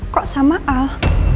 kok sama al